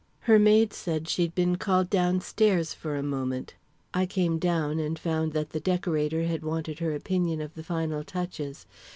Her maid said she'd been called downstairs for a moment. I came down, and found that the decorator had wanted her opinion of the final touches.